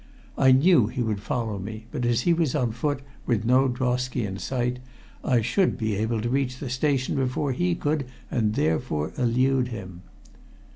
I knew he would follow me, but as he was on foot, with no drosky in sight, I should be able to reach the station before he could, and there elude him.